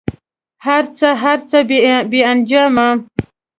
هر څه، هر څه بې انجامه